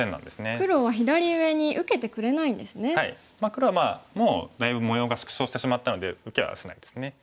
黒はもうだいぶ模様が縮小してしまったので受けはしないですね。